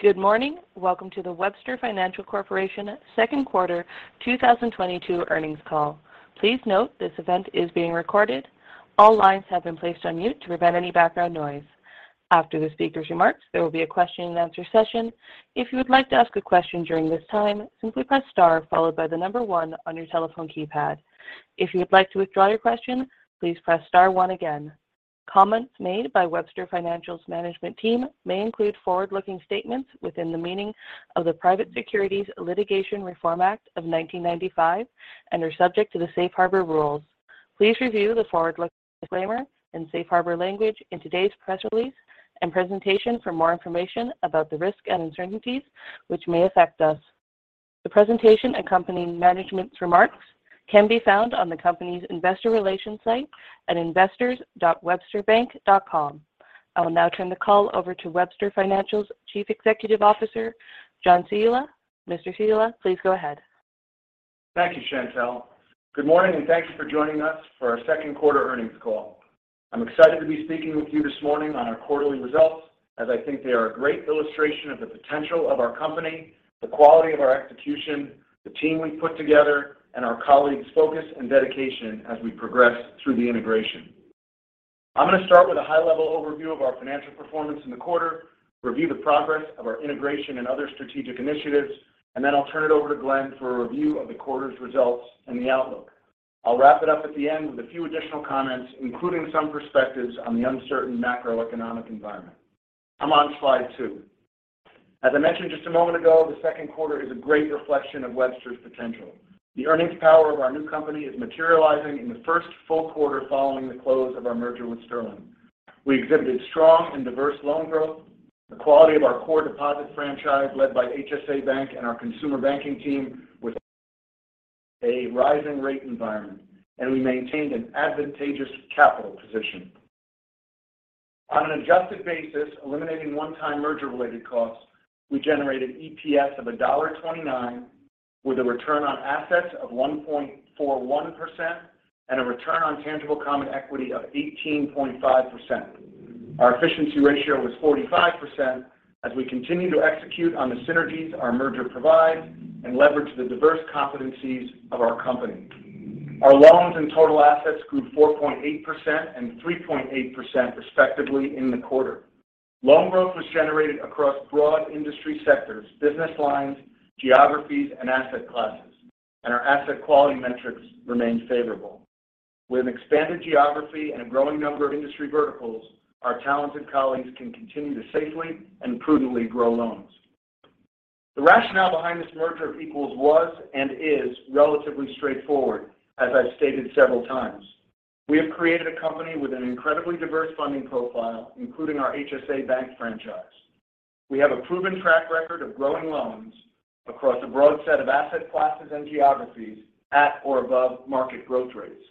Good morning. Welcome to the Webster Financial Corporation Q2 2022 earnings call. Please note this event is being recorded. All lines have been placed on mute to prevent any background noise. After the speaker's remarks, there will be a question and answer session. If you would like to ask a question during this time, simply press star followed by the number one on your telephone keypad. If you'd like to withdraw your question, please press star one again. Comments made by Webster Financial's management team may include forward-looking statements within the meaning of the Private Securities Litigation Reform Act of 1995 and are subject to the safe harbor rules. Please review the forward-looking disclaimer and safe harbor language in today's press release and presentation for more information about the risks and uncertainties which may affect us. The presentation accompanying management's remarks can be found on the company's investor relations site at investors dot websterbank.com. I will now turn the call over to Webster Financial's Chief Executive Officer, John Ciulla. Mr. Ciulla, please go ahead. Thank you, Chantelle. Good morning, and thank you for joining us for our Q2 earnings call. I'm excited to be speaking with you this morning on our quarterly results as I think they are a great illustration of the potential of our company, the quality of our execution, the team we've put together, and our colleagues' focus and dedication as we progress through the integration. I'm going to start with a high-level overview of our financial performance in the quarter, review the progress of our integration and other strategic initiatives, and then I'll turn it over to Glenn for a review of the quarter's results and the outlook. I'll wrap it up at the end with a few additional comments, including some perspectives on the uncertain macroeconomic environment. I'm on slide two. As I mentioned just a moment ago, the Q2 is a great reflection of Webster's potential. The earnings power of our new company is materializing in the full Q1 following the close of our merger with Sterling. We exhibited strong and diverse loan growth. The quality of our core deposit franchise led by HSA Bank and our consumer banking team with a rising rate environment, and we maintained an advantageous capital position. On an adjusted basis, eliminating one-time merger-related costs, we generated EPS of $1.29 with a return on assets of 1.41% and a return on tangible common equity of 18.5%. Our efficiency ratio was 45% as we continue to execute on the synergies our merger provides and leverage the diverse competencies of our company. Our loans and total assets grew 4.8% and 3.8% respectively in the quarter. Loan growth was generated across broad industry sectors, business lines, geographies, and asset classes, and our asset quality metrics remained favorable. With an expanded geography and a growing number of industry verticals, our talented colleagues can continue to safely and prudently grow loans. The rationale behind this merger of equals was and is relatively straightforward, as I've stated several times. We have created a company with an incredibly diverse funding profile, including our HSA Bank franchise. We have a proven track record of growing loans across a broad set of asset classes and geographies at or above market growth rates.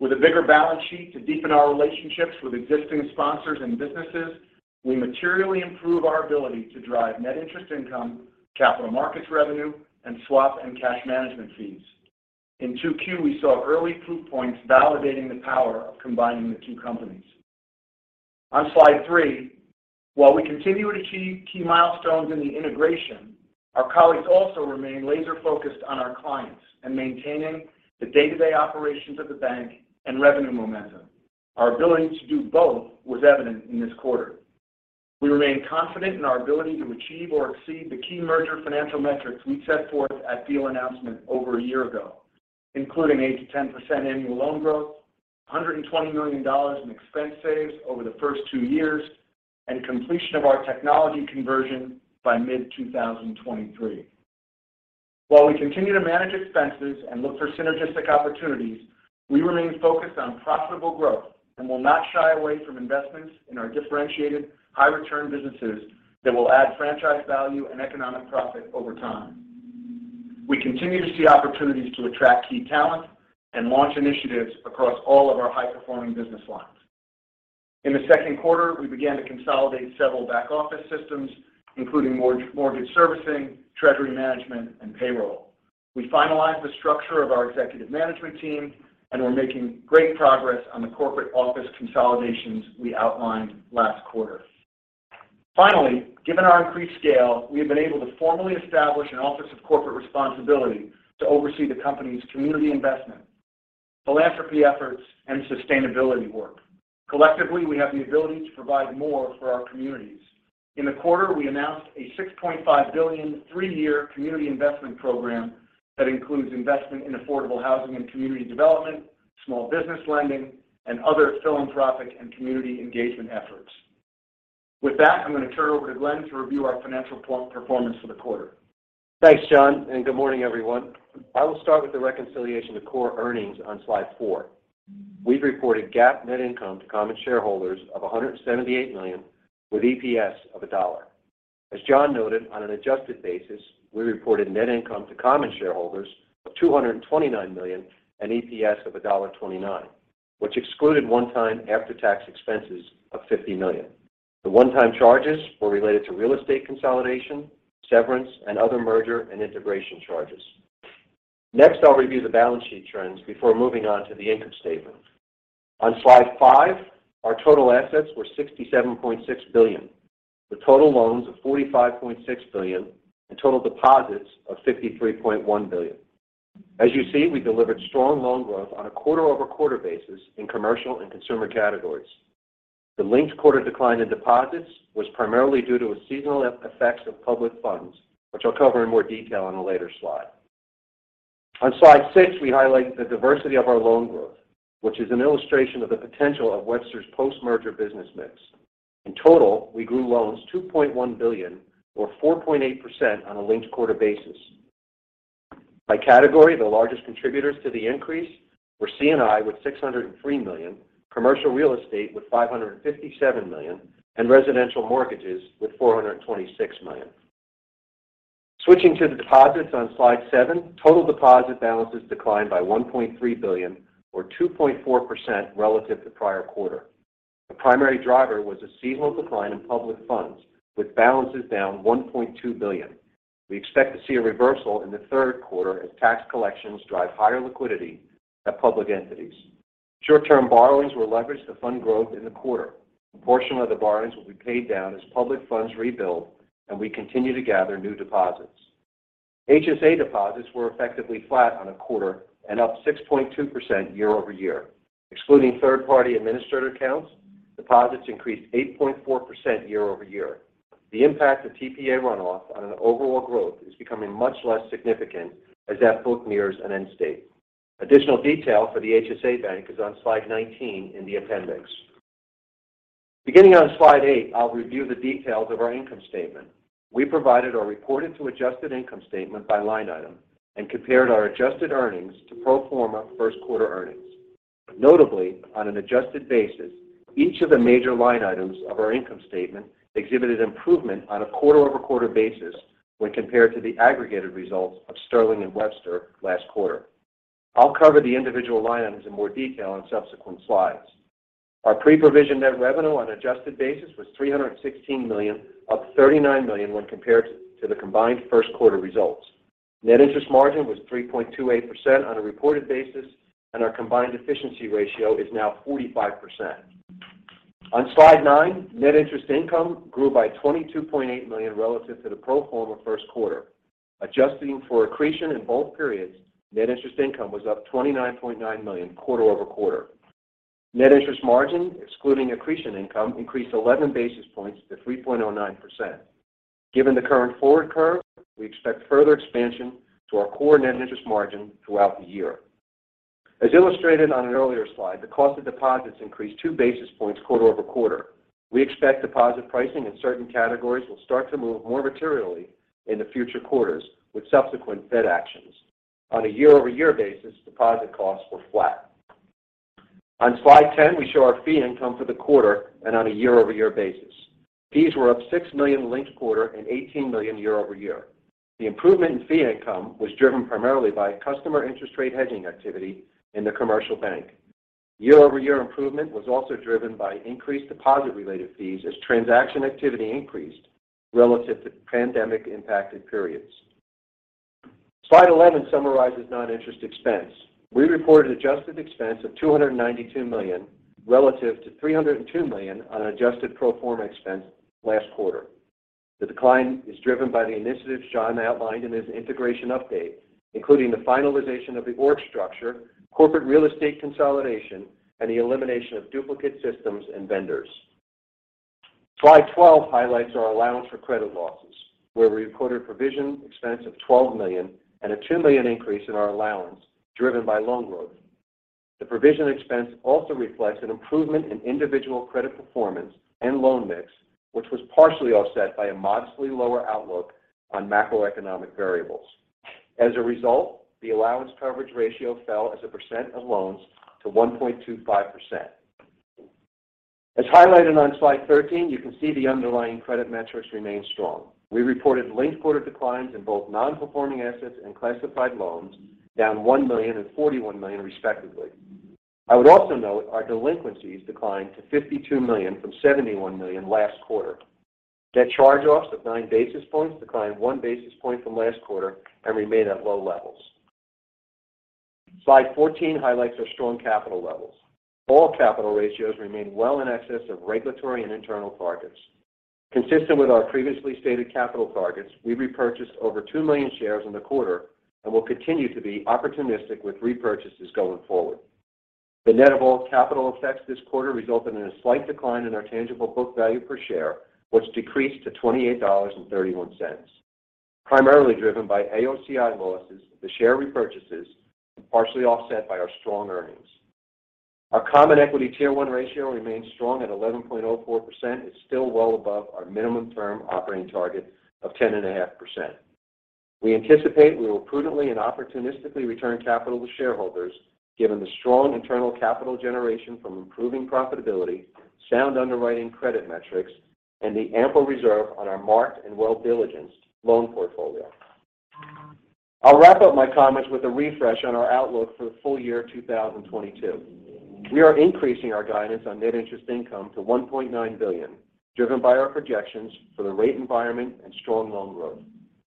With a bigger balance sheet to deepen our relationships with existing sponsors and businesses, we materially improve our ability to drive Net Interest Income, capital markets revenue, and swap and cash management fees. In 2Q, we saw early proof points validating the power of combining the two companies. On slide three, while we continue to achieve key milestones in the integration, our colleagues also remain laser-focused on our clients and maintaining the day-to-day operations of the bank and revenue momentum. Our ability to do both was evident in this quarter. We remain confident in our ability to achieve or exceed the key merger financial metrics we set forth at deal announcement over a year ago, including 8%-10% annual loan growth, $120 million in expense saves over the first two years, and completion of our technology conversion by mid-2023. While we continue to manage expenses and look for synergistic opportunities, we remain focused on profitable growth and will not shy away from investments in our differentiated high return businesses that will add franchise value and economic profit over time. We continue to see opportunities to attract key talent and launch initiatives across all of our high-performing business lines. In the Q2, we began to consolidate several back-office systems, including mortgage servicing, treasury management, and payroll. We finalized the structure of our executive management team, and we're making great progress on the corporate office consolidations we outlined last quarter. Finally, given our increased scale, we have been able to formally establish an Office of Corporate Responsibility to oversee the company's community investment, philanthropy efforts, and sustainability work. Collectively, we have the ability to provide more for our communities. In the quarter, we announced a $6.5 billion three-year community investment program that includes investment in affordable housing and community development, small business lending, and other philanthropic and community engagement efforts. With that, I'm going to turn it over to Glenn to review our financial performance for the quarter. Thanks, John, and good morning, everyone. I will start with the reconciliation to core earnings on slide four. We've reported GAAP net income to common shareholders of $178 million with EPS of $1. As John noted, on an adjusted basis, we reported net income to common shareholders of $229 million and EPS of $1.29, which excluded one-time after-tax expenses of $50 million. The one-time charges were related to real estate consolidation, severance, and other merger and integration charges. Next, I'll review the balance sheet trends before moving on to the income statement. On slide five, our total assets were $67.6 billion, with total loans of $45.6 billion and total deposits of $53.1 billion. As you see, we delivered strong loan growth on a quarter-over-quarter basis in commercial and consumer categories. The linked-quarter decline in deposits was primarily due to a seasonal effects of public funds, which I'll cover in more detail on a later slide. On slide six, we highlight the diversity of our loan growth, which is an illustration of the potential of Webster's post-merger business mix. In total, we grew loans $2.1 billion or 4.8% on a linked-quarter basis. By category, the largest contributors to the increase were C&I with $603 million, Commercial Real Estate with $557 million, and Residential Mortgages with $426 million. Switching to the deposits on slide seven, total deposit balances declined by $1.3 billion or 2.4% relative to prior quarter. The primary driver was a seasonal decline in public funds, with balances down $1.2 billion. We expect to see a reversal in the Q3 as tax collections drive higher liquidity at public entities. Short-term borrowings were leveraged to fund growth in the quarter. A portion of the borrowings will be paid down as public funds rebuild and we continue to gather new deposits. HSA deposits were effectively flat on a quarter and up 6.2% year-over-year. Excluding third-party administered accounts, deposits increased 8.4% year-over-year. The impact of TPA runoff on overall growth is becoming much less significant as that book nears an end state. Additional detail for the HSA Bank is on slide 19 in the appendix. Beginning on slide eight, I'll review the details of our income statement. We provided our reported-to-adjusted income statement by line item and compared our adjusted earnings to pro forma Q1 earnings. Notably, on an adjusted basis, each of the major line items of our income statement exhibited improvement on a quarter-over-quarter basis when compared to the aggregated results of Sterling and Webster last quarter. I'll cover the individual line items in more detail on subsequent slides. Our pre-provision net revenue on an adjusted basis was $316 million, up $39 million when compared to the combined Q1 results. Net Interest Margin was 3.28% on a reported basis, and our combined efficiency ratio is now 45%. On slide nine, Net Interest Income grew by $22.8 million relative to the pro forma Q1. Adjusting for accretion in both periods, Net Interest Income was up $29.9 million quarter-over-quarter. Net Interest Margin, excluding accretion income, increased 11 basis points to 3.09%. Given the current forward curve, we expect further expansion to our core Net Interest Margin throughout the year. As illustrated on an earlier slide, the cost of deposits increased 2 basis points quarter-over-quarter. We expect deposit pricing in certain categories will start to move more materially in the future quarters with subsequent Fed actions. On a year-over-year basis, deposit costs were flat. On slide 10, we show our fee income for the quarter and on a year-over-year basis. Fees were up $6 million linked quarter and $18 million year-over-year. The improvement in fee income was driven primarily by customer interest rate hedging activity in the commercial bank. Year-over-year improvement was also driven by increased deposit-related fees as transaction activity increased relative to pandemic impacted periods. Slide 11 summarizes non-interest expense. We reported adjusted expense of $292 million relative to $302 million on adjusted pro forma expense last quarter. The decline is driven by the initiatives John outlined in his integration update, including the finalization of the org structure, corporate real estate consolidation, and the elimination of duplicate systems and vendors. Slide 12 highlights our Allowance for Credit Losses, where we recorded provision expense of $12 million and a $2 million increase in our allowance driven by loan growth. The provision expense also reflects an improvement in individual credit performance and loan mix, which was partially offset by a modestly lower outlook on macroeconomic variables. As a result, the allowance coverage ratio fell as a percent of loans to 1.25%. As highlighted on slide 13, you can see the underlying credit metrics remain strong. We reported linked-quarter declines in both Non-Performing assets and Classified Loans, down $1 million and $41 million respectively. I would also note our delinquencies declined to $52 million from $71 million last quarter. Net Charge-offs of 9 basis points declined 1 basis point from last quarter and remain at low levels. Slide 14 highlights our strong capital levels. All capital ratios remain well in excess of regulatory and internal targets. Consistent with our previously stated capital targets, we repurchased over two million shares in the quarter and will continue to be opportunistic with repurchases going forward. The net of all capital effects this quarter resulted in a slight decline in our tangible book value per share, which decreased to $28.31. Primarily driven by AOCI losses, the share repurchases, partially offset by our strong earnings. Our Common Equity Tier 1 ratio remains strong at 11.04%, is still well above our minimum firm operating target of 10.5%. We anticipate we will prudently and opportunistically return capital to shareholders given the strong internal capital generation from improving profitability, sound underwriting credit metrics, and the ample reserve on our marked and well-diligenced loan portfolio. I'll wrap up my comments with a refresh on our outlook for full year 2022. We are increasing our guidance on Net Interest Income to $1.9 billion, driven by our projections for the rate environment and strong loan growth.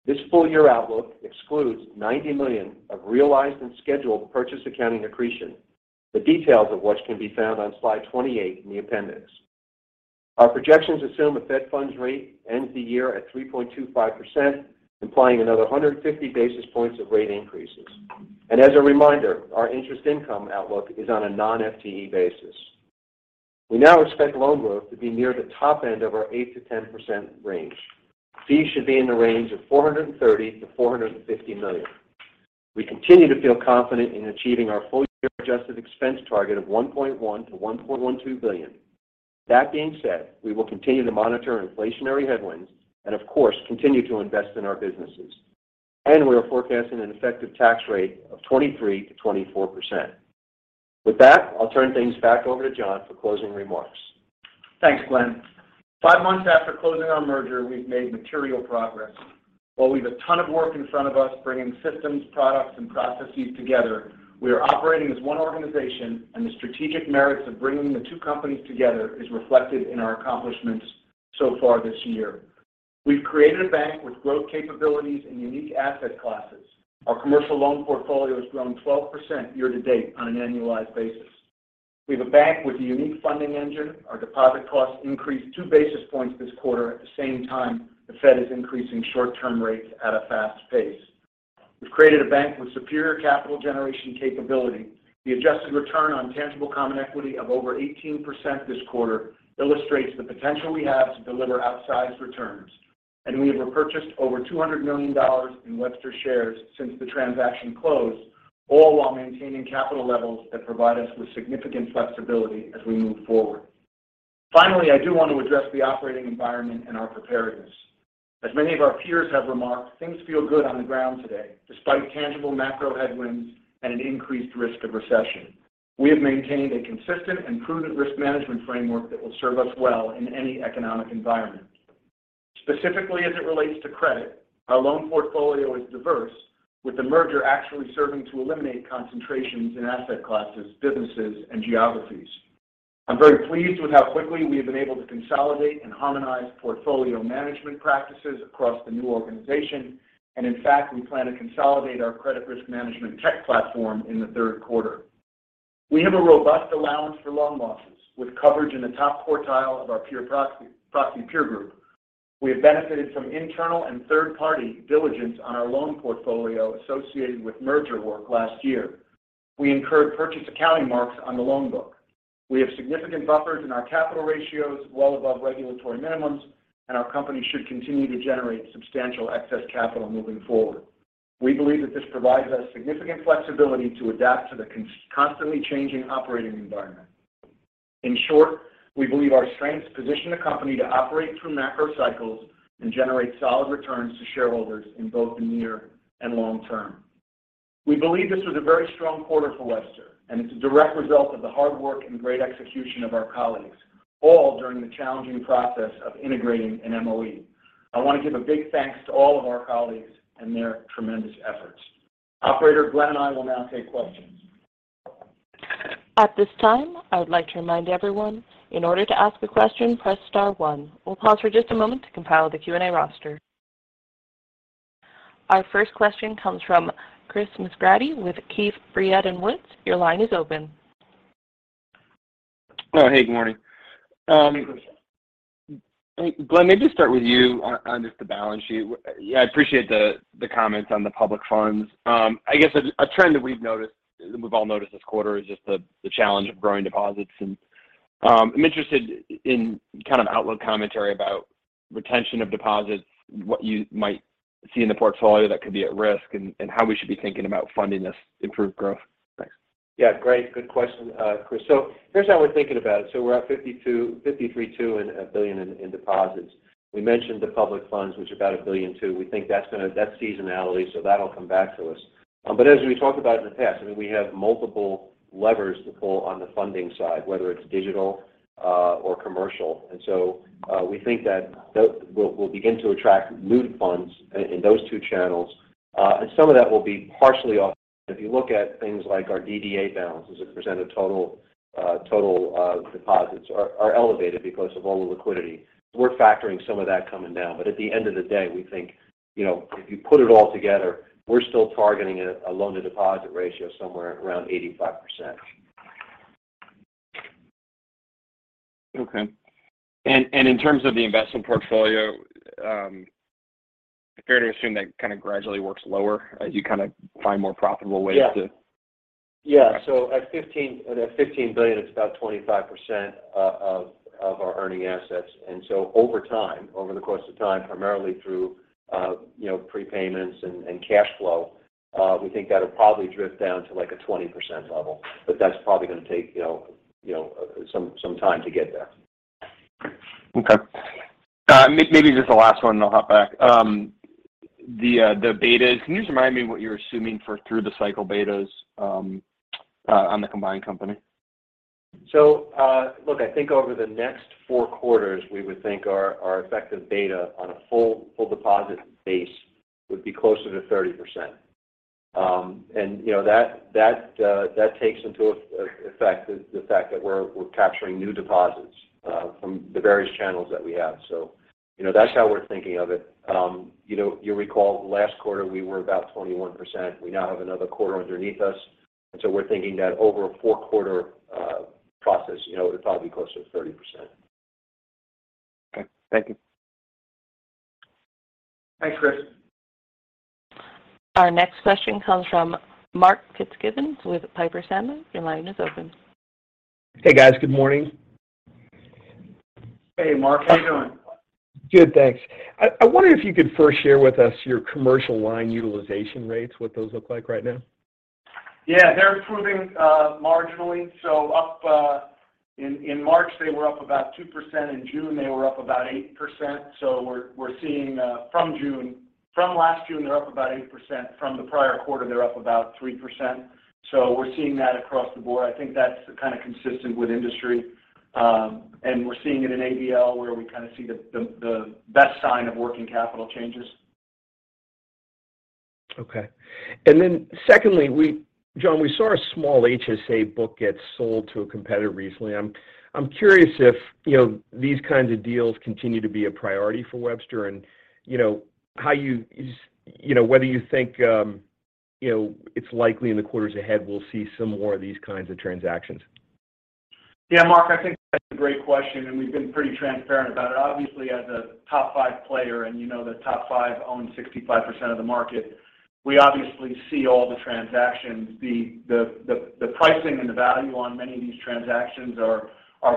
This full year outlook excludes $90 million of realized and scheduled purchase accounting accretion. The details of which can be found on slide 28 in the appendix. Our projections assume the Fed funds rate ends the year at 3.25%, implying another 150 basis points of rate increases. As a reminder, our interest income outlook is on a non-FTE basis. We now expect loan growth to be near the top end of our 8%-10% range. Fees should be in the range of $430 million-$450 million. We continue to feel confident in achieving our full year adjusted expense target of $1.1 billion-$1.12 billion. That being said, we will continue to monitor inflationary headwinds and of course, continue to invest in our businesses. We are forecasting an effective tax rate of 23%-24%. With that, I'll turn things back over to John for closing remarks. Thanks, Glenn. Five months after closing our merger, we've made material progress. While we've a ton of work in front of us bringing systems, products, and processes together, we are operating as one organization, and the strategic merits of bringing the two companies together is reflected in our accomplishments so far this year. We've created a bank with growth capabilities and unique asset classes. Our commercial loan portfolio has grown 12% year to date on an annualized basis. We have a bank with a unique funding engine. Our deposit costs increased 2 basis points this quarter at the same time the Fed is increasing short-term rates at a fast pace. We've created a bank with superior capital generation capability. The adjusted return on tangible common equity of over 18% this quarter illustrates the potential we have to deliver outsized returns. We have repurchased over $200 million in Webster shares since the transaction closed, all while maintaining capital levels that provide us with significant flexibility as we move forward. Finally, I do want to address the operating environment and our preparedness. As many of our peers have remarked, things feel good on the ground today, despite tangible macro headwinds and an increased risk of recession. We have maintained a consistent and prudent risk management framework that will serve us well in any economic environment. Specifically, as it relates to credit, our loan portfolio is diverse, with the merger actually serving to eliminate concentrations in asset classes, businesses, and geographies. I'm very pleased with how quickly we have been able to consolidate and harmonize portfolio management practices across the new organization. In fact, we plan to consolidate our credit risk management tech platform in the Q3. We have a robust allowance for loan losses with coverage in the top quartile of our peer proxy peer group. We have benefited from internal and third-party diligence on our loan portfolio associated with merger work last year. We incurred purchase accounting marks on the loan book. We have significant buffers in our capital ratios well above regulatory minimums, and our company should continue to generate substantial excess capital moving forward. We believe that this provides us significant flexibility to adapt to the constantly changing operating environment. In short, we believe our strengths position the company to operate through macro cycles and generate solid returns to shareholders in both the near and long term. We believe this was a very strong quarter for Webster, and it's a direct result of the hard work and great execution of our colleagues, all during the challenging process of integrating an MOE. I want to give a big thanks to all of our colleagues and their tremendous efforts. Operator, Glenn and I will now take questions. At this time, I would like to remind everyone, in order to ask a question, press star one. We'll pause for just a moment to compile the Q&A roster. Our first question comes from Chris McGratty with Keefe, Bruyette & Woods. Your line is open. Oh, hey, good morning. Hey, Chris. Hey. Glenn, maybe just start with you on just the balance sheet. Yeah, I appreciate the comments on the public funds. I guess a trend that we've noticed, that we've all noticed this quarter is just the challenge of growing deposits. I'm interested in kind of outlook commentary about retention of deposits, what you might see in the portfolio that could be at risk, and how we should be thinking about funding this improved growth. Thanks. Yeah. Great. Good question, Chris. Here's how we're thinking about it. We're at $52 billion-$53.2 billion in deposits. We mentioned the public funds, which are about $1.2 billion. We think that's seasonality, so that'll come back to us. As we talked about in the past, I mean, we have multiple levers to pull on the funding side, whether it's digital or commercial. We think that we'll begin to attract new funds in those two channels. Some of that will be partially offset. If you look at things like our DDA balances as a % of total deposits are elevated because of all the liquidity. We're factoring some of that coming down. At the end of the day, we think, you know, if you put it all together, we're still targeting a loan-to-deposit ratio somewhere around 85%. In terms of the investment portfolio, fair to assume that kind of gradually works lower as you kind of find more profitable ways to? At $15 billion, it's about 25% of our earning assets. Over time, over the course of time, primarily through you know, prepayments and cash flow, we think that'll probably drift down to like a 20% level. But that's probably gonna take you know, some time to get there. Okay. Maybe just the last one, and I'll hop back. The betas, can you just remind me what you're assuming for through the cycle betas on the combined company? Look, I think over the next Q4, we would think our effective beta on a full deposit base would be closer to 30%. You know that takes into effect the fact that we're capturing new deposits from the various channels that we have. You know, that's how we're thinking of it. You know, you recall last quarter we were about 21%. We now have another quarter underneath us. We're thinking that over a Q4 process, you know, it'd probably be closer to 30%. Okay. Thank you. Thanks, Chris. Our next question comes from Mark Fitzgibbon with Piper Sandler. Your line is open. Hey, guys. Good morning. Hey, Mark. How you doing? Good, thanks. I wonder if you could first share with us your commercial line utilization rates, what those look like right now. Yeah. They're improving marginally. Up in March, they were up about 2%. In June, they were up about 8%. We're seeing from last June, they're up about 8%. From the prior quarter, they're up about 3%. We're seeing that across the board. I think that's kind of consistent with industry. We're seeing it in ABL, where we kind of see the best sign of working capital changes. Okay. Secondly, John, we saw a small HSA book get sold to a competitor recently. I'm curious if, you know, these kinds of deals continue to be a priority for Webster and, you know, whether you think it's likely in the quarters ahead we'll see some more of these kinds of transactions. Yeah, Mark, I think that's a great question, and we've been pretty transparent about it. Obviously, as a top five player, and you know the top five own 65% of the market, we obviously see all the transactions. The pricing and the value on many of these transactions are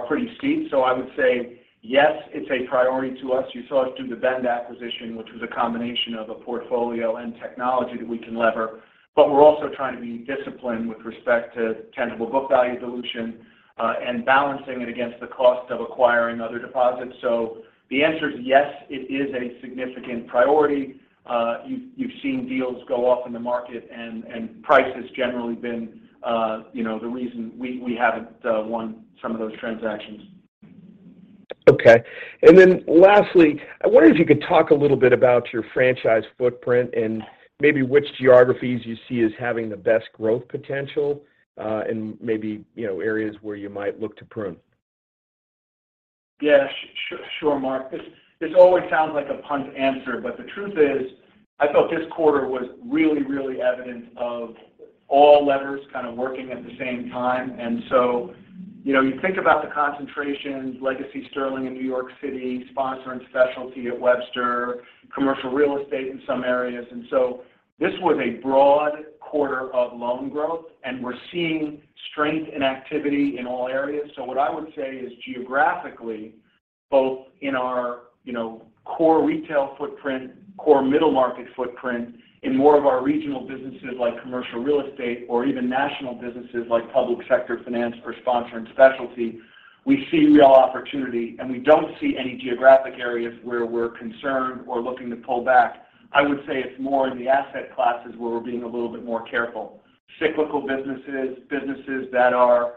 pretty steep. I would say yes, it's a priority to us. You saw us do the Bend acquisition, which was a combination of a portfolio and technology that we can lever. We're also trying to be disciplined with respect to tangible book value dilution, and balancing it against the cost of acquiring other deposits. The answer is yes, it is a significant priority. You've seen deals go off in the market and price has generally been, you know, the reason we haven't won some of those transactions. Okay. Lastly, I wonder if you could talk a little bit about your franchise footprint and maybe which geographies you see as having the best growth potential, and maybe, you know, areas where you might look to prune? Yeah. Sure, Mark. This always sounds like a punt answer, but the truth is, I felt this quarter was really evident of all levers kind of working at the same time. You know, you think about the concentrations, legacy Sterling in New York City, sponsor and specialty at Webster, Commercial Real Estate in some areas. This was a broad quarter of loan growth, and we're seeing strength and activity in all areas. What I would say is geographically, both in our, you know, core retail footprint, core middle market footprint, in more of our regional businesses like Commercial Real Estate or even national businesses like public sector finance or sponsor and specialty, we see real opportunity. We don't see any geographic areas where we're concerned or looking to pull back. I would say it's more in the asset classes where we're being a little bit more careful. Cyclical businesses that are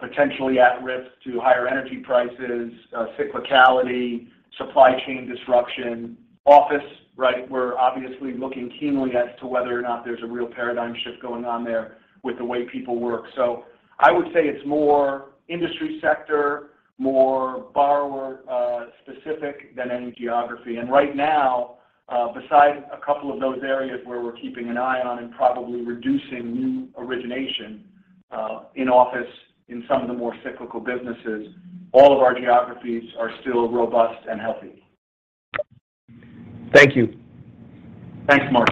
potentially at risk to higher energy prices, cyclicality, supply chain disruption. Office, right? We're obviously looking keenly as to whether or not there's a real paradigm shift going on there with the way people work. I would say it's more industry sector, more borrower specific than any geography. Right now, besides a couple of those areas where we're keeping an eye on and probably reducing new origination, in office in some of the more cyclical businesses, all of our geographies are still robust and healthy. Thank you. Thanks, Mark.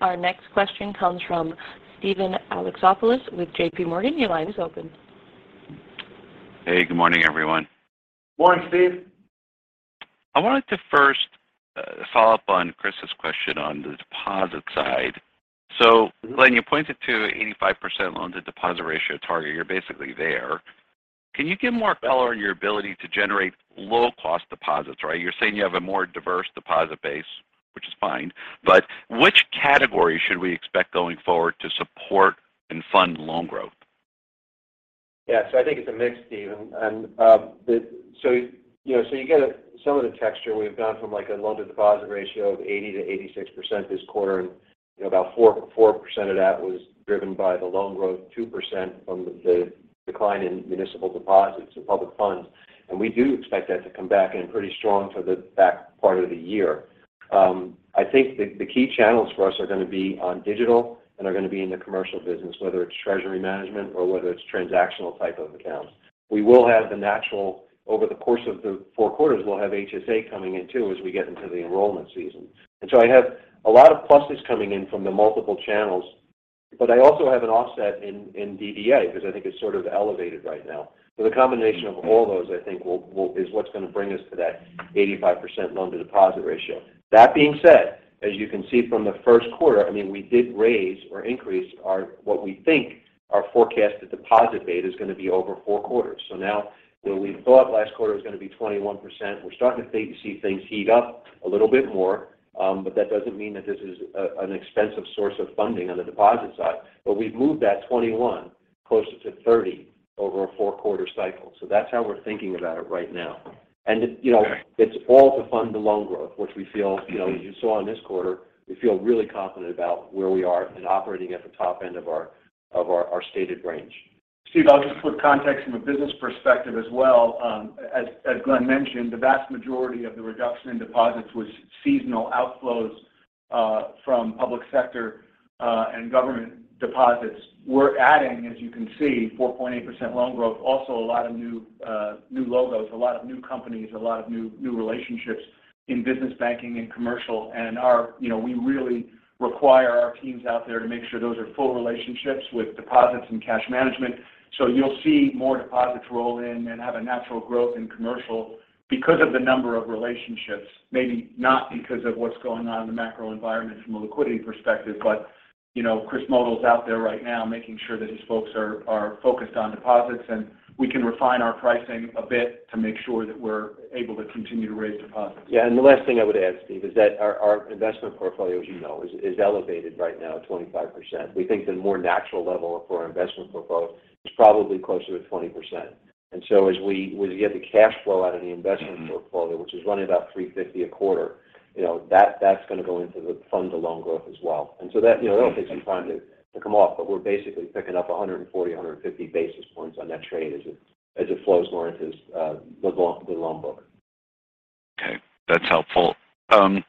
Our next question comes from Steven Alexopoulos with JPMorgan. Your line is open. Hey, good morning, everyone. Morning, Steve. I wanted to first, follow up on Chris's question on the deposit side. Mm-hmm. Glenn, you pointed to 85% loan to deposit ratio target. You're basically there. Can you give more color on your ability to generate low cost deposits, right? You're saying you have a more diverse deposit base, which is fine. Which category should we expect going forward to support and Fund Loan Growth? Yeah. I think it's a mix, Steven. You know, you get some of the texture. We've gone from like a loan to deposit ratio of 80%-86% this quarter. You know, about 4% of that was driven by the loan growth, 2% from the decline in municipal deposits and public funds. We do expect that to come back in pretty strong for the back part of the year. I think the key channels for us are going to be on digital and are going to be in the commercial business, whether it's treasury management or whether it's transactional type of accounts. We will have over the course of the Q4, we'll have HSA coming in too as we get into the enrollment season. I have a lot of pluses coming in from the multiple channels, but I also have an offset in DDA because I think it's sort of elevated right now. The combination of all those, I think will is what's going to bring us to that 85% loan to deposit ratio. That being said, as you can see from the Q1, I mean, we did raise or increase what we think our forecasted deposit base is going to be over Q4. Now where we thought last quarter was going to be 21%, we're starting to see things heat up a little bit more. But that doesn't mean that this is an expensive source of funding on the deposit side. We've moved that 21 Closer to 30 over a Q4 cycle. That's how we're thinking about it right now. It, you know, it's all to fund the loan growth, which we feel, you know, as you saw in this quarter, we feel really confident about where we are in operating at the top end of our stated range. Steve, I'll just put context from a business perspective as well. As Glenn mentioned, the vast majority of the reduction in deposits was seasonal outflows from public sector and government deposits. We're adding, as you can see, 4.8% loan growth, also a lot of new logos, a lot of new companies, a lot of new relationships in business banking and commercial. You know, we really require our teams out there to make sure those are full relationships with deposits and cash management. You'll see more deposits roll in and have a natural growth in commercial because of the number of relationships. Maybe not because of what's going on in the macro environment from a liquidity perspective, but you know, Christopher Motl's out there right now making sure that his folks are focused on deposits, and we can refine our pricing a bit to make sure that we're able to continue to raise deposits. Yeah. The last thing I would add, Steven, is that our investment portfolio, as you know, is elevated right now, 25%. We think the more natural level for our investment portfolio is probably closer to 20%. As we get the cash flow out of the investment portfolio, which is running about $350 a quarter, you know, that's going to go to fund the loan growth as well. That'll take some time to come off, but we're basically picking up 140-150 basis points on that trade as it flows more into the loan book. Okay. That's helpful. I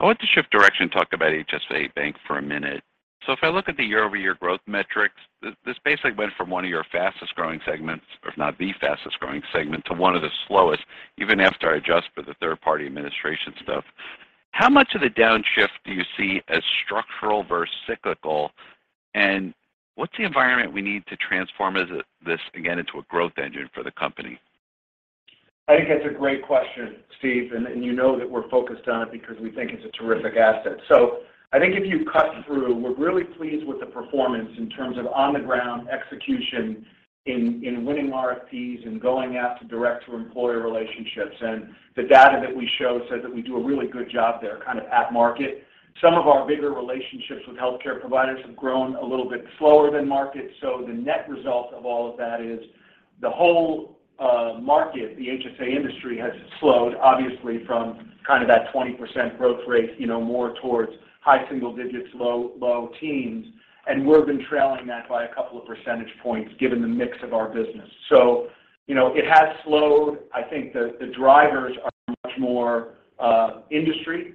want to shift direction and talk about HSA Bank for a minute. If I look at the year-over-year growth metrics, this basically went from one of your fastest-growing segments, if not the fastest-growing segment, to one of the slowest, even after I adjust for the third-party administration stuff. How much of the downshift do you see as structural versus cyclical? And what's the environment we need to transform as this again into a growth engine for the company? I think that's a great question, Steve. You know that we're focused on it because we think it's a terrific asset. I think if you cut through, we're really pleased with the performance in terms of on-the-ground execution in winning RFPs and going after direct-to-employer relationships. The data that we show says that we do a really good job there, kind of at market. Some of our bigger relationships with healthcare providers have grown a little bit slower than market. The net result of all of that is the whole market, the HSA industry has slowed obviously from kind of that 20% growth rate, you know, more towards high single digits, low teens. We've been trailing that by a couple of percentage points given the mix of our business. You know, it has slowed. I think the drivers are much more industry-wide.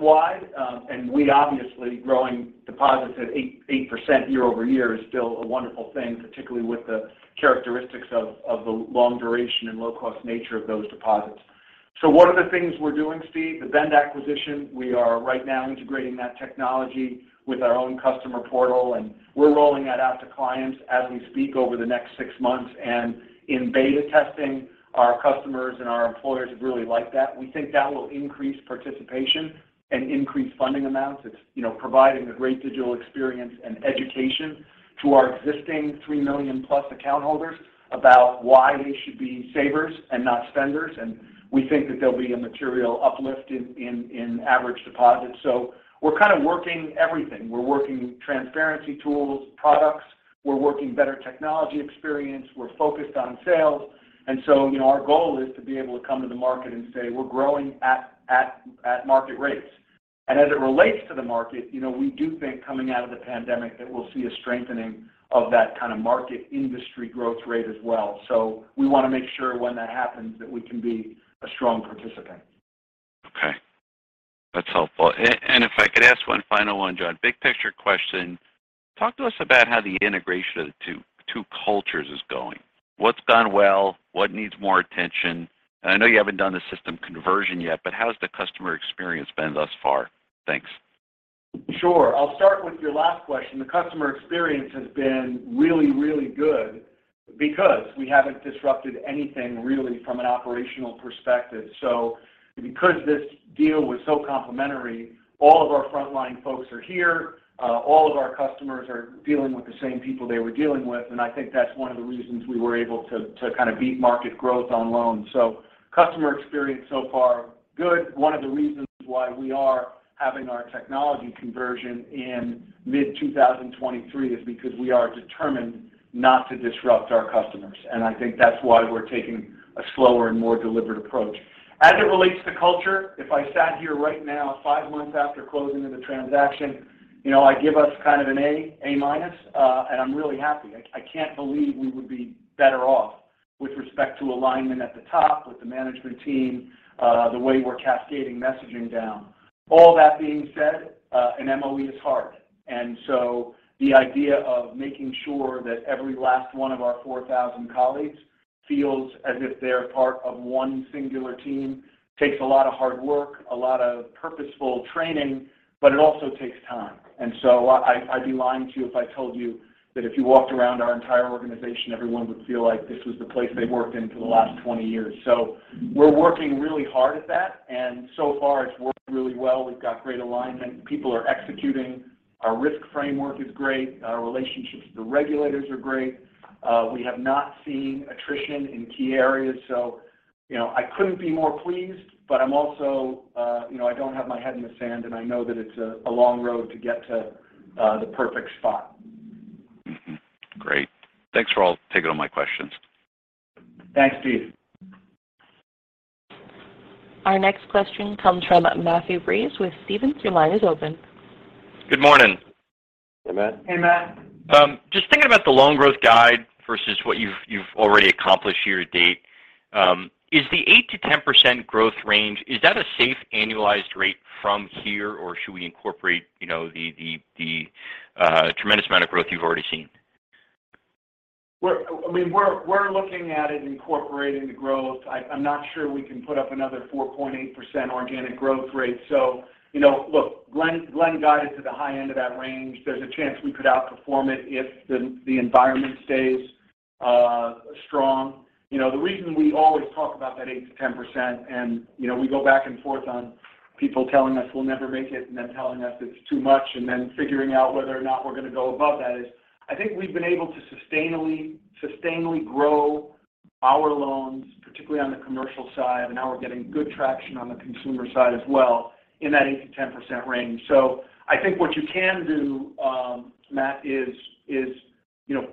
We're obviously growing deposits at 8% year-over-year is still a wonderful thing, particularly with the characteristics of the long duration and low-cost nature of those deposits. What are the things we're doing, Steve? The Bend Financial acquisition, we are right now integrating that technology with our own customer portal, and we're rolling that out to clients as we speak over the next six months. In beta testing, our customers and our employers have really liked that. We think that will increase participation and increase funding amounts. It's, you know, providing a great digital experience and education to our existing three million-plus account holders about why they should be savers and not spenders. We think that there'll be a material uplift in average deposits. We're kind of working everything. We're working transparency tools, products. We're working better technology experience. We're focused on sales. You know, our goal is to be able to come to the market and say, "We're growing at market rates." As it relates to the market, you know, we do think coming out of the pandemic that we'll see a strengthening of that kind of market industry growth rate as well. We want to make sure when that happens that we can be a strong participant. Okay. That's helpful. If I could ask one final one, John. Big picture question. Talk to us about how the integration of the two cultures is going. What's gone well? What needs more attention? I know you haven't done the system conversion yet, but how has the customer experience been thus far? Thanks. Sure. I'll start with your last question. The customer experience has been really, really good because we haven't disrupted anything really from an operational perspective. Because this deal was so complementary, all of our frontline folks are here. All of our customers are dealing with the same people they were dealing with. I think that's one of the reasons we were able to to kind of beat market growth on loans. Customer experience so far, good. One of the reasons why we are having our technology conversion in mid-2023 is because we are determined not to disrupt our customers. I think that's why we're taking a slower and more deliberate approach. As it relates to culture, if I sat here right now, five months after closing of the transaction, you know, I give us kind of an A-minus, and I'm really happy. I can't believe we would be better off with respect to alignment at the top with the management team, the way we're cascading messaging down. All that being said, an MOE is hard. The idea of making sure that every last one of our 4,000 colleagues feels as if they're part of one singular team takes a lot of hard work, a lot of purposeful training, but it also takes time. I'd be lying to you if I told you that if you walked around our entire organization, everyone would feel like this was the place they've worked in for the last 20 years. We're working really hard at that, and so far it's worked really well. We've got great alignment. People are executing. Our risk framework is great. Our relationships with the regulators are great. We have not seen attrition in key areas. You know, I couldn't be more pleased, but I'm also, you know, I don't have my head in the sand, and I know that it's a long road to get to the perfect spot. Mm-hmm. Great. Thanks for taking all my questions. Thanks, Steve. Our next question comes from Matthew Breese with Stephens. Your line is open. Good morning. Hey, Matt. Just thinking about the loan growth guide versus what you've already accomplished year to date. Is the 8%-10% growth range a safe annualized rate from here, or should we incorporate, you know, the tremendous amount of growth you've already seen? I mean, we're looking at it incorporating the growth. I'm not sure we can put up another 4.8% organic growth rate. You know, look, Glenn guided to the high end of that range. There's a chance we could outperform it if the environment stays strong. You know, the reason we always talk about that 8%-10%, and, you know, we go back and forth on people telling us we'll never make it, and then telling us it's too much, and then figuring out whether or not we're gonna go above that is I think we've been able to sustainably grow our loans, particularly on the commercial side, and now we're getting good traction on the consumer side as well in that 8%-10% range. I think what you can do, Matt, is, you know,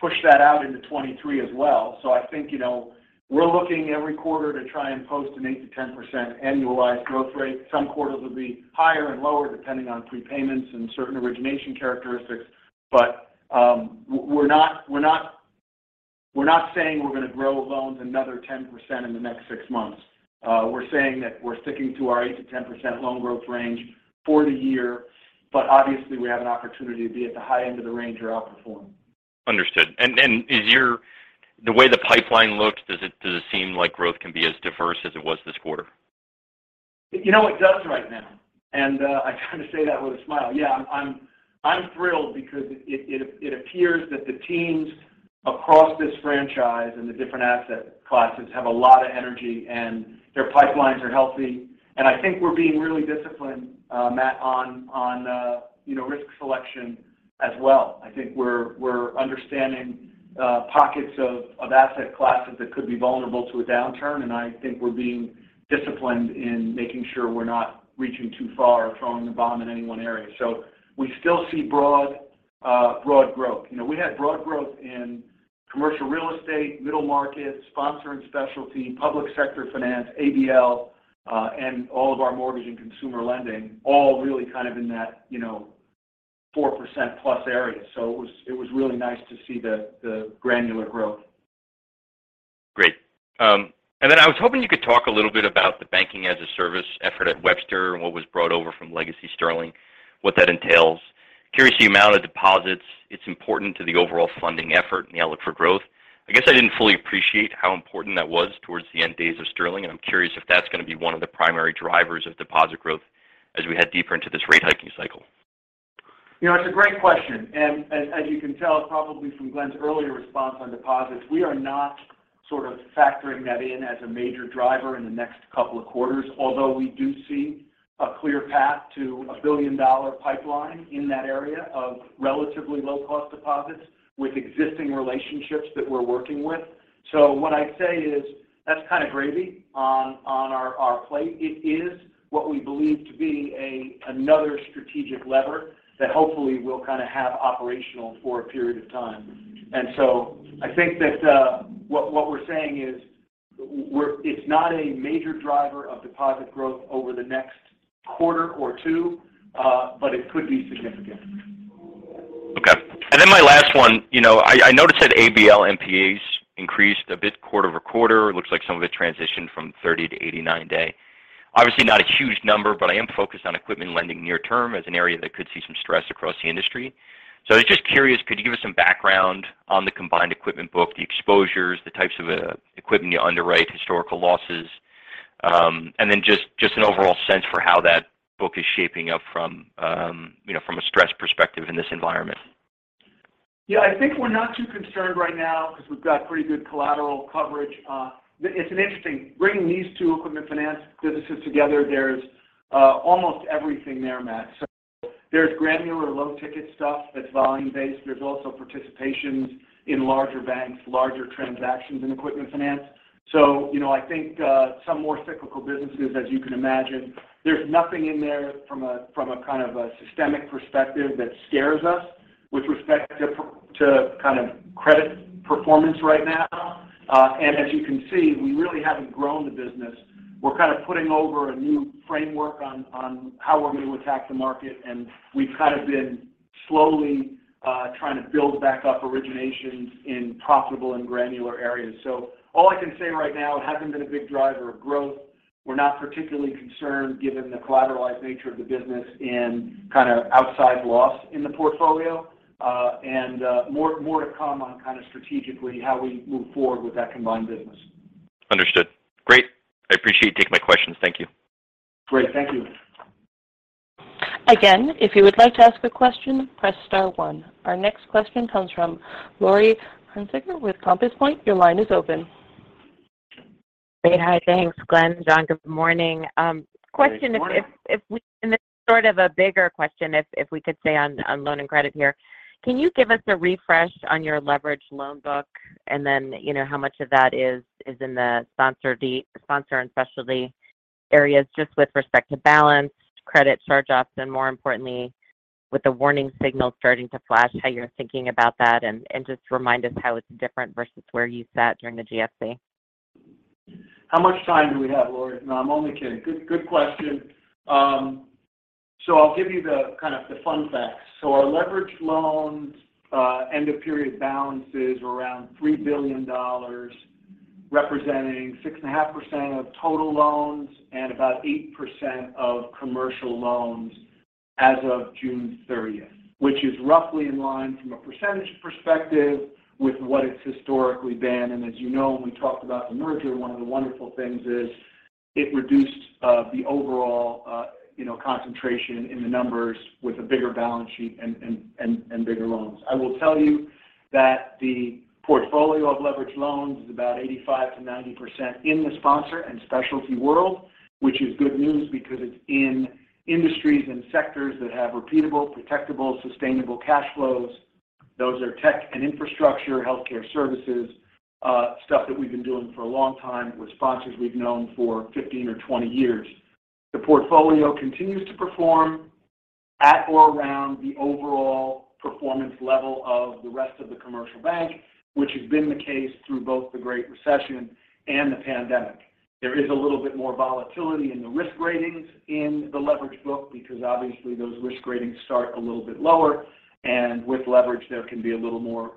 push that out into 2023 as well. I think, you know, we're looking every quarter to try and post an 8%-10% annualized growth rate. Some quarters will be higher and lower depending on prepayments and certain origination characteristics. We're not saying we're gonna grow loans another 10% in the next six months. We're saying that we're sticking to our 8%-10% loan growth range for the year. Obviously we have an opportunity to be at the high end of the range or outperform. Understood. The way the pipeline looks, does it seem like growth can be as diverse as it was this quarter? You know, it does right now. I kind of say that with a smile. Yeah. I'm thrilled because it appears that the teams across this franchise and the different asset classes have a lot of energy, and their pipelines are healthy. I think we're being really disciplined, Matt, on, you know, risk selection as well. I think we're understanding pockets of asset classes that could be vulnerable to a downturn. I think we're being disciplined in making sure we're not reaching too far or throwing the bomb in any one area. We still see broad growth. You know, we had broad growth in Commercial Real Estate, middle market, sponsor and specialty, public sector finance, ABL, and all of our mortgage and consumer lending all really kind of in that, you know, +4% area. It was really nice to see the granular growth. Great. I was hoping you could talk a little bit about the Banking as a Service effort at Webster and what was brought over from legacy Sterling, what that entails. Curious the amount of deposits, it's important to the overall funding effort in the outlook for growth. I guess I didn't fully appreciate how important that was towards the end days of Sterling, and I'm curious if that's going to be one of the primary drivers of deposit growth as we head deeper into this rate hiking cycle. You know, it's a great question. As you can tell probably from Glenn's earlier response on deposits, we are not sort of factoring that in as a major driver in the next couple of quarters. Although we do see a clear path to a billion-dollar pipeline in that area of relatively low-cost deposits with existing relationships that we're working with. What I'd say is that's kind of gravy on our plate. It is what we believe to be another strategic lever that hopefully we'll kind of have operational for a period of time. I think that what we're saying is it's not a major driver of deposit growth over the next quarter or two, but it could be significant. Okay. My last one. You know, I noticed that ABL NPAs increased a bit quarter-over-quarter. It looks like some of it transitioned from 30 to 89 day. Obviously, not a huge number, but I am focused on equipment lending near term as an area that could see some stress across the industry. I was just curious, could you give us some background on the combined equipment book, the exposures, the types of equipment you underwrite, historical losses, and then just an overall sense for how that book is shaping up from, you know, from a stress perspective in this environment? Yeah. I think we're not too concerned right now because we've got pretty good collateral coverage. Bringing these two equipment finance businesses together, there's almost everything there, Matt. So there's granular low ticket stuff that's volume-based. There's also participations in larger banks, larger transactions in equipment finance. You know, I think some more cyclical businesses, as you can imagine. There's nothing in there from a kind of a systemic perspective that scares us with respect to kind of credit performance right now. And as you can see, we really haven't grown the business. We're kind of putting over a new framework on how we're going to attack the market, and we've kind of been slowly trying to build back up originations in profitable and granular areas. All I can say right now, it hasn't been a big driver of growth. We're not particularly concerned given the collateralized nature of the business and kind of outsized losses in the portfolio. More to come on kind of strategically how we move forward with that combined business. Understood. Great. I appreciate you taking my questions. Thank you. Great. Thank you. Again, if you would like to ask a question, press star one. Our next question comes from Laurie Hunsicker with Compass Point. Your line is open. Great. Hi. Thanks, Glenn. John, good morning. Question Good morning. This is sort of a bigger question if we could stay on loan and credit here. Can you give us a refresh on your leveraged loan book and then, you know, how much of that is in the sponsor and specialty areas just with respect to balances, credit charge-offs, and more importantly with the warning signal starting to flash, how you're thinking about that and just remind us how it's different versus where you sat during the GFC? How much time do we have, Laurie? No, I'm only kidding. Good, good question. I'll give you the kind of the fun facts. Our leverage loans end of period balances were around $3 billion representing 6.5% of total loans and about 8% of commercial loans as of June 30th. Which is roughly in line from a percentage perspective with what it's historically been. And as you know, when we talked about the merger, one of the wonderful things is it reduced the overall you know concentration in the numbers with a bigger balance sheet and bigger loans. I will tell you that the portfolio of leverage loans is about 85%-90% in the sponsor and specialty world, which is good news because it's in industries and sectors that have repeatable, protectable, sustainable cash flows. Those are tech and infrastructure, healthcare services, stuff that we've been doing for a long time with sponsors we've known for 15 to 20 years. The portfolio continues to perform at or around the overall performance level of the rest of the commercial bank, which has been the case through both the Great Recession and the Pandemic. There is a little bit more volatility in the risk ratings in the leverage book because obviously those risk ratings start a little bit lower, and with leverage there can be a little more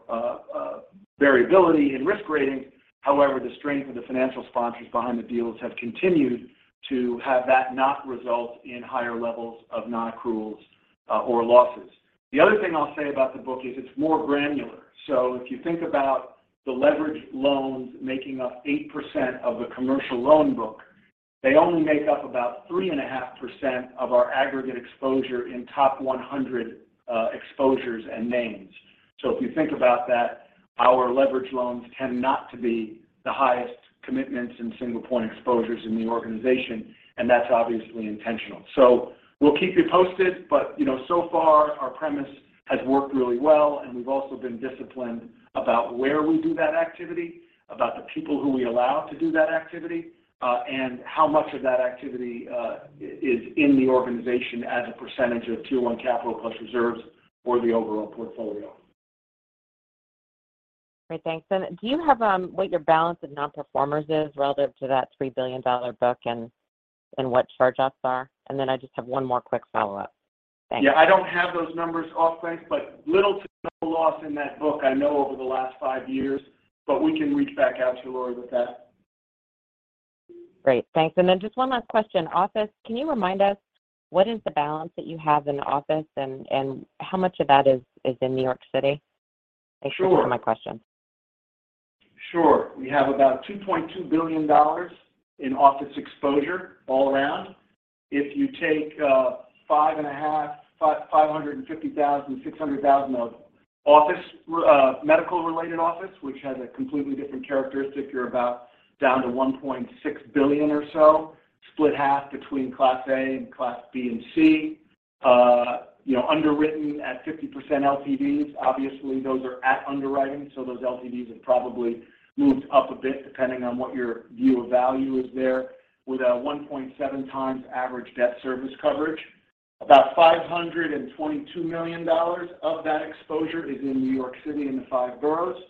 variability in risk ratings. However, the strength of the financial sponsors behind the deals have continued to have that not result in higher levels of non-accruals, or losses. The other thing I'll say about the book is it's more granular. If you think about the leverage loans making up 8% of the commercial loan book, they only make up about 3.5% of our aggregate exposure in top 100 exposures and names. If you think about that, our leverage loans tend not to be the highest commitments and single point exposures in the organization, and that's obviously intentional. We'll keep you posted, but you know, so far our premise has worked really well, and we've also been disciplined about where we do that activity, about the people who we allow to do that activity, and how much of that activity is in the organization as a percentage of Tier 1 capital plus reserves or the overall portfolio. Great. Thanks. Do you have what your balance of non-performers is relative to that $3 billion book and what charge-offs are? I just have one more quick follow-up. Thanks. Yeah. I don't have those numbers off banks, but little to no loss in that book I know over the last five years. We can reach back out to Laurie with that. Great. Thanks. Just one last question. Office, can you remind us what is the balance that you have in office and how much of that is in New York City? Sure. Thanks for taking my question. Sure. We have about $2.2 billion in office exposure all around. If you take five hundred and fifty thousand, six hundred thousand of office medical related office, which has a completely different characteristic, you're about down to $1.6 billion or so. Split half between class A and class B and C. You know, underwritten at 50% LTVs. Obviously, those are at underwriting, so those LTVs have probably moved up a bit depending on what your view of value is there with a 1.7x average debt service coverage. About $522 million of that exposure is in New York City in the five boroughs.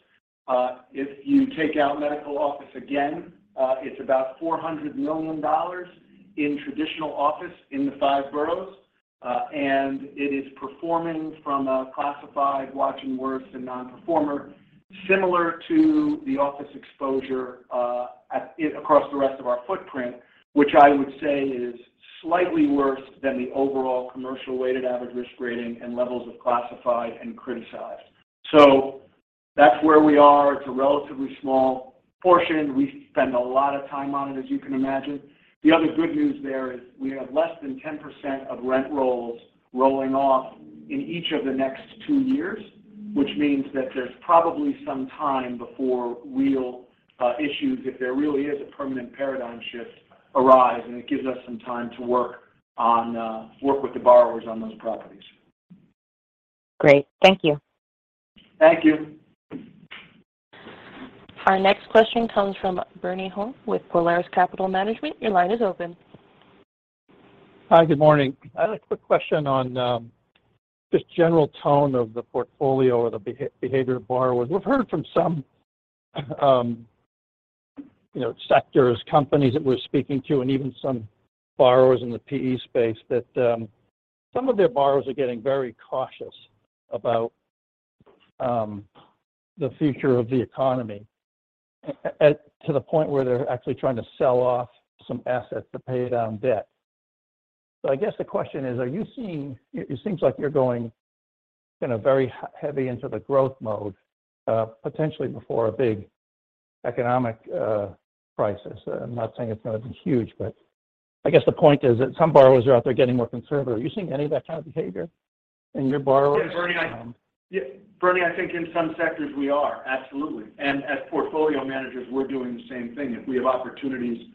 If you take out medical office again, it's about $400 million in traditional office in the five boroughs. It is performing from a classified watch and worse to non-performing, similar to the office exposure across the rest of our footprint, which I would say is slightly worse than the overall commercial weighted average risk rating and levels of classified and criticized. That's where we are. It's a relatively small portion. We spend a lot of time on it, as you can imagine. The other good news there is we have less than 10% of rent rolls rolling off in each of the next two years, which means that there's probably some time before real issues, if there really is a permanent paradigm shift arise, and it gives us some time to work with the borrowers on those properties. Great. Thank you. Thank you. Our next question comes from Bernard Horn with Polaris Capital Management. Your line is open. Hi. Good morning. I had a quick question on just general tone of the portfolio or the behavior of borrowers. We've heard from some you know sectors companies that we're speaking to and even some borrowers in the PE space that some of their borrowers are getting very cautious about the future of the economy to the point where they're actually trying to sell off some assets to pay down debt. I guess the question is, are you seeing it? It seems like you're going kind of very heavy into the growth mode potentially before a big economic crisis. I'm not saying it's gonna be huge, but I guess the point is that some borrowers are out there getting more conservative. Are you seeing any of that kind of behavior in your borrowers? Yeah, Bernard, I think in some sectors we are. Absolutely. As portfolio managers, we're doing the same thing. If we have opportunities,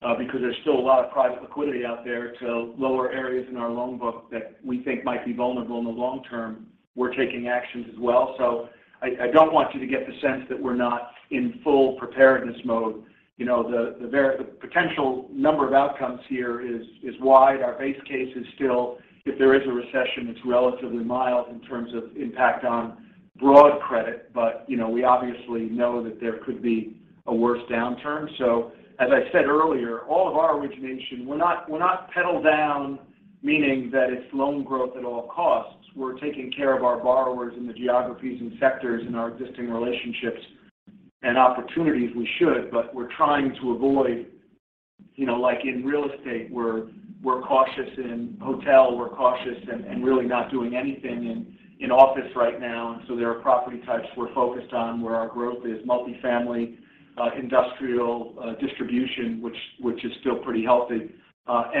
because there's still a lot of private liquidity out there to lower areas in our loan book that we think might be vulnerable in the long term, we're taking actions as well. I don't want you to get the sense that we're not in full preparedness mode. You know, the potential number of outcomes here is wide. Our base case is still if there is a recession, it's relatively mild in terms of impact on broad credit. You know, we obviously know that there could be a worse downturn. As I said earlier, all of our origination, we're not pedal down, meaning that it's loan growth at all costs. We're taking care of our borrowers in the geographies and sectors in our existing relationships and opportunities we should, but we're trying to avoid, you know, like in real estate, we're cautious in hotel, we're cautious and really not doing anything in office right now. There are property types we're focused on where our growth is multifamily, industrial, distribution, which is still pretty healthy.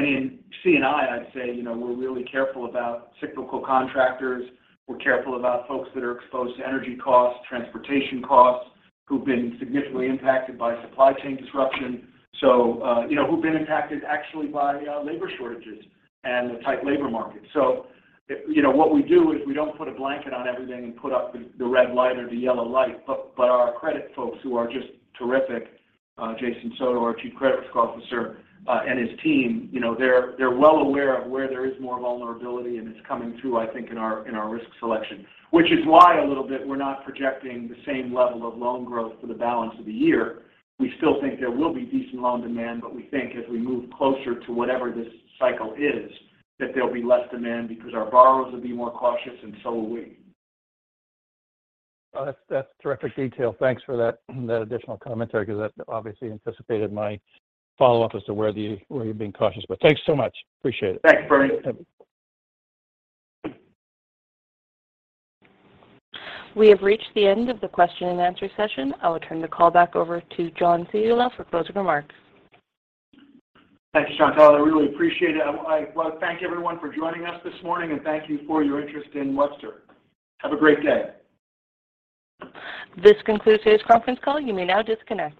In C&I had say, you know, we're really careful about cyclical contractors. We're careful about folks that are exposed to energy costs, transportation costs, who've been significantly impacted by supply chain disruption. You know, who've been impacted actually by labor shortages and the tight labor market. You know, what we do is we don't put a blanket on everything and put up the red light or the yellow light. Our credit folks who are just terrific, Jason Soto, our chief credit risk officer, and his team, you know, they're well aware of where there is more vulnerability, and it's coming through, I think, in our risk selection. Which is why a little bit we're not projecting the same level of loan growth for the balance of the year. We still think there will be decent loan demand, but we think as we move closer to whatever this cycle is, that there'll be less demand because our borrowers will be more cautious and so will we. Oh, that's terrific detail. Thanks for that additional commentary because that obviously anticipated my follow-up as to where you're being cautious. Thanks so much. Appreciate it. Thanks, Bernard. We have reached the end of the question and answer session. I will turn the call back over to John Ciulla for closing remarks. Thank you, Chantelle. I really appreciate it. I wanna thank everyone for joining us this morning, and thank you for your interest in Webster. Have a great day. This concludes today's conference call. You may now disconnect.